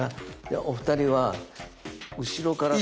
ではお二人は後ろから。